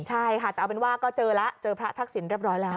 ใช่ค่ะแต่เอาเป็นว่าก็เจอแล้วเจอพระทักษิณเรียบร้อยแล้ว